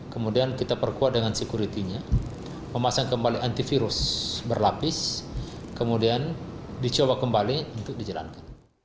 kemudian kita perkuat dengan security nya memasang kembali antivirus berlapis kemudian dicoba kembali untuk dijalankan